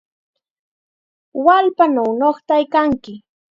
¡Wallpanaw nuqtaykanki!